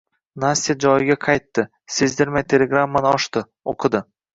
Nastya joyiga qaytdi, sezdirmay telegrammani ochdi, oʻqidi.